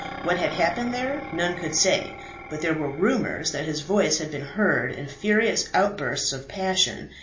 What had happened there none could say, but there were rumours that his voice had been heard in furious outbursts of passion.